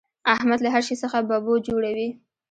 احمد له هر شي څخه ببو جوړوي.